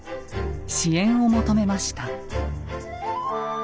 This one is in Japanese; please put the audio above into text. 支援を求めました。